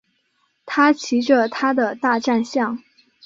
他骑着他的大战象。